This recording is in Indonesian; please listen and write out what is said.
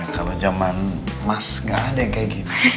kalau zaman mas gak ada yang kayak gitu